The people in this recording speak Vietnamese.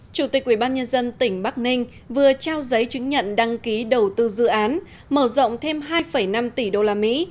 chủ tịch ubnd tỉnh bắc ninh vừa trao giấy chứng nhận đăng ký đầu tư dự án mở rộng thêm hai năm tỷ đô la mỹ